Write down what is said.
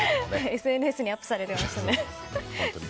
ＳＮＳにアップされていましたね。